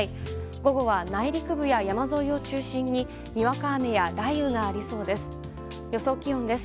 午後は内陸部や山沿いを中心ににわか雨や雷雨がありそうです。